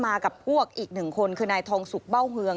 มากับพวกอีก๑คนคือนายทองสุกบ้าวเฮือง